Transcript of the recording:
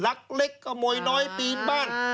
รักเล็กขโมยน้อยปีนบ้าน